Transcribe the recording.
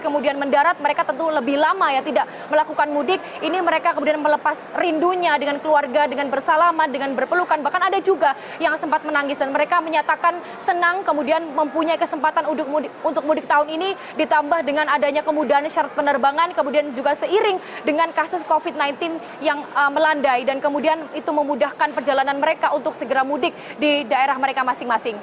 kemudian mendarat mereka tentu lebih lama ya tidak melakukan mudik ini mereka kemudian melepas rindunya dengan keluarga dengan bersalaman dengan berpelukan bahkan ada juga yang sempat menangis dan mereka menyatakan senang kemudian mempunyai kesempatan untuk mudik tahun ini ditambah dengan adanya kemudahan syarat penerbangan kemudian juga seiring dengan kasus covid sembilan belas yang melandai dan kemudian itu memudahkan perjalanan mereka untuk segera mudik di daerah mereka masing masing